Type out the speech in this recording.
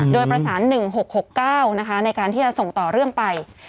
โดยประสาน๑๖๖๙ในการที่จะส่งต่อเรื่องไป